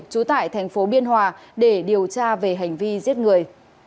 trú tại thành phố biên hòa để điều tra về hành vi giết người